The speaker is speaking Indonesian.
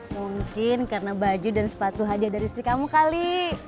mungkin karena baju dan sepatu haja dari istri kamu kali